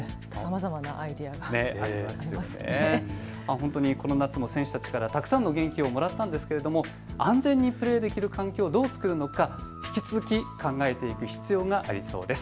本当にこの夏も選手たちからたくさんの元気をもらったんですが安全にプレーできる環境をどう作るのか引き続き考えていく必要がありそうです。